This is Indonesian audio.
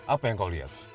apa yang kau lihat